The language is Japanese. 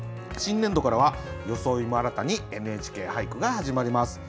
新年度からは装いも新たに「ＮＨＫ俳句」が始まります。